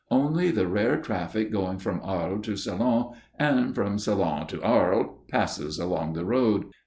Only the rare traffic going from Arles to Salon and from Salon to Arles passes along the road.